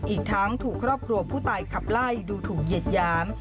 อีกทั้งถูกครอบครัวผู้ตายขับไล่ดูถูกเหยียดหยาม